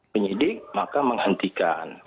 penyidik maka menghentikan